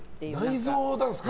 内臓なんですか。